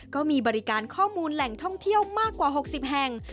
ก็มีบริการข้อมูลแหล่งท่องเที่ยวมากกว่า๖๐แห่ง